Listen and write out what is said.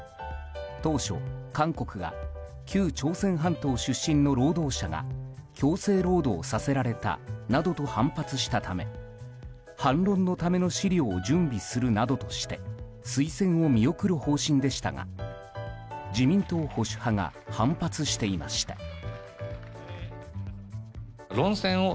当初、韓国が旧朝鮮半島出身の労働者が強制労働させられたなどと反発したため反論のための資料を準備するなどとして推薦を見送る方針でしたが自民党保守派が反発していました。